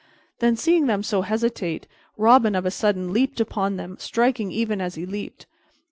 Then, seeing them so hesitate, Robin of a sudden leaped upon them, striking even as he leaped.